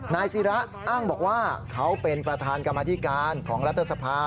นายศิระอ้างบอกว่าเขาเป็นประธานกรรมธิการของรัฐสภา